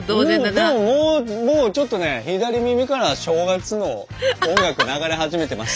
でももうちょっとね左耳から正月の音楽流れ始めてます。